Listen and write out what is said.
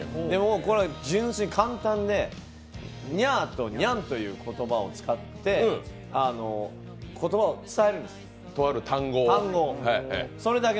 これ純粋、簡単で、ニャンとニャーという言葉を使って言葉を伝えるんです、単語を。